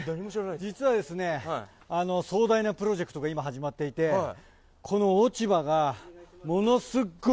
実はですね、壮大なプロジェクトが今、始まっていて、この落ち葉えっ？